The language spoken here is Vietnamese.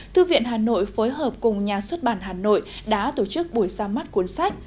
thư viện hà nội phối hợp cùng nhà xuất bản hà nội đã tổ chức buổi ra mắt cuốn sách